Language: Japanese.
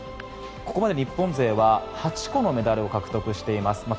ここまで日本勢は８個のメダルを獲得しています。